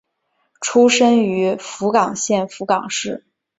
出身于福冈县福冈市。